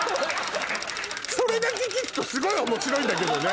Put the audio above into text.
それだけ聞くとすごい面白いんだけどね。